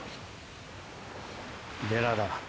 ベラだ。